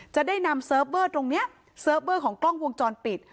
จะได้นำเซิร์ฟเวอร์ตรงนี้เซิร์ฟเวอร์ของกล้องวงจรปิด